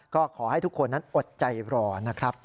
ก็ขอให้ทุกคนนั้นอดใจรอนะครับ